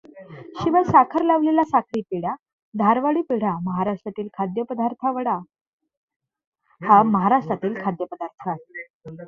शिवाय साखर लावलेला साखरी पेढा, धारवाडी पेढा महाराष्ट्रातील खाद्यपदार्थवडा हा महाराष्ट्रातील खाद्यपदार्थ आहे.